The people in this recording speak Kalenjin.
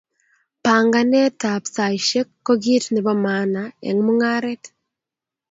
Panganet ab saishek ko kit nebo maana eng mung'aret